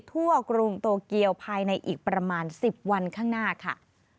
กรุงโตเกียวภายในอีกประมาณ๑๐วันข้างหน้าค่ะ